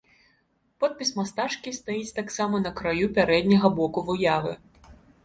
Подпіс мастачкі стаіць таксама на краю пярэдняга боку выявы.